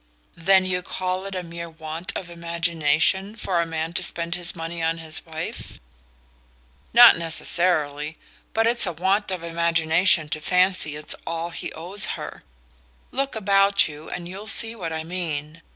"Then you call it a mere want of imagination for a man to spend his money on his wife?" "Not necessarily but it's a want of imagination to fancy it's all he owes her. Look about you and you'll see what I mean.